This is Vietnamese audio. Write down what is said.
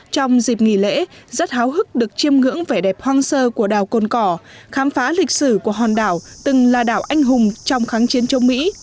trong dịp nghỉ lễ rất háo hức được chiêm ngưỡng vẻ đẹp hoang sơ của đảo cồn cỏ khám phá lịch sử của hòn đảo từng là đảo anh hùng trong kháng chiến chống mỹ